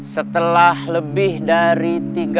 setelah lebih dari